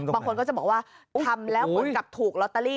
บางคนก็จะบอกว่าทำแล้วเหมือนกับถูกลอตเตอรี่